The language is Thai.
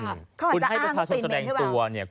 เขาอ่านจะอ้างติดเม้นหรือเปล่าถ้าชายคุณให้ประชาชนกำลังแสดงตัว